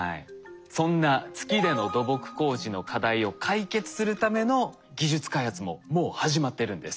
そんな月での土木工事の課題を解決するための技術開発ももう始まっているんです。